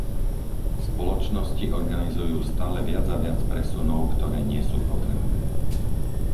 Spoločnosti organizujú stále viac a viac presunov, ktoré nie sú potrebné.